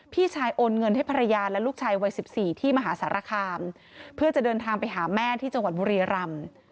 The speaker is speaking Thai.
พี่ชายโอนเงินให้ภรรยาและลูกชายวัย๑๔ที่มหาสารคามเพื่อจะเดินทางไปหาแม่ที่จังหวัดบุรีรำ